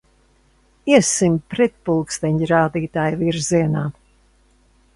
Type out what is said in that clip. Iesim pretpulksteņrādītājvirzienā!